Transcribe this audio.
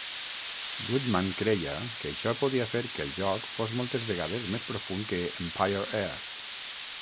Goodman creia que això podia fer que el joc fos moltes vegades més profund que "Empire Earth".